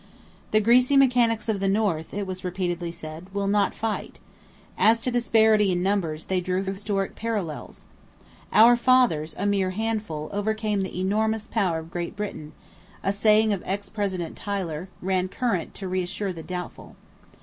"The greasy mechanics of the North," it was repeatedly said, "will not fight." As to disparity in numbers they drew historic parallels. "Our fathers, a mere handful, overcame the enormous power of Great Britain," a saying of ex President Tyler, ran current to reassure the doubtful.